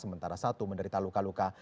sementara satu menderita luka luka